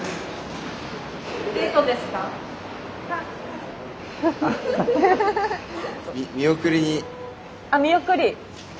あっ見送り。